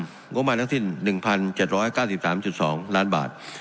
โมงบาลนักศิลป์๑๗๙๓๒ล้านบาท